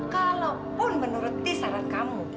kalaupun menurut disaran kamu